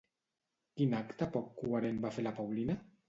Quin acte poc coherent va fer la Paulina?